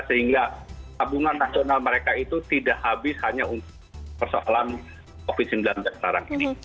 sehingga tabungan nasional mereka itu tidak habis hanya untuk persoalan covid sembilan belas sekarang ini